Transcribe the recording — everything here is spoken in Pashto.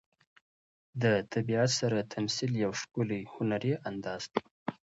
د طبیعت سره تمثیل یو ښکلی هنري انداز دی.